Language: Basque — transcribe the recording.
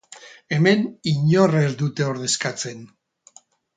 Hemen inor ez dute ordezkatzen.